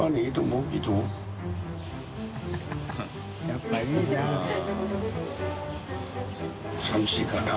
やっぱりいいな。